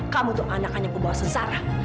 kamu tuh anak hanya pembawa sejarah